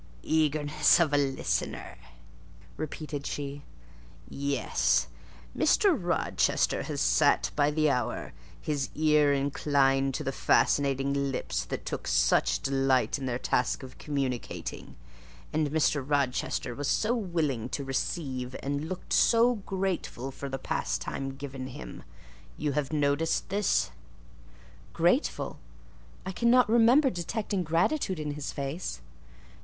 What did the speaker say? "Eagerness of a listener!" repeated she: "yes; Mr. Rochester has sat by the hour, his ear inclined to the fascinating lips that took such delight in their task of communicating; and Mr. Rochester was so willing to receive and looked so grateful for the pastime given him; you have noticed this?" "Grateful! I cannot remember detecting gratitude in his face."